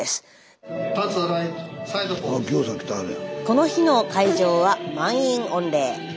この日の会場は満員御礼。